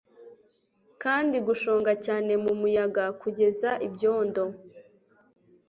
Kandi gushonga cyane mumuyaga kugeza ibyondo